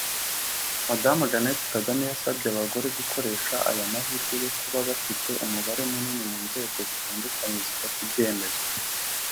Madamu Jeannette Kagame yasabye abagore gukoresha aya mahirwe yo kuba bafite umubare munini mu nzego zitandukanye zifata ibyemezo